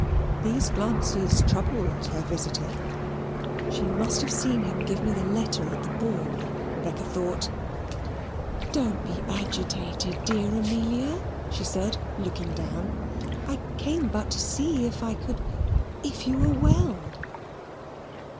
These glances troubled her visitor. "She must have seen him give me the letter at the ball," Rebecca thought. "Don't be agitated, dear Amelia," she said, looking down. "I came but to see if I could if you were well."